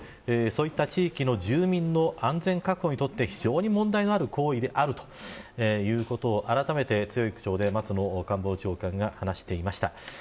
そういった地域の住民の安全確保にとって非常に問題のある行為であるということをあらためて強い口調で松野官房長官が話していました。